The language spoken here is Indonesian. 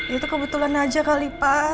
itu kebetulan aja kali pa